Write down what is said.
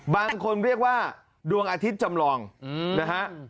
บางคนเรียกว่าดวงอาทิตย์จำลองนะฮะ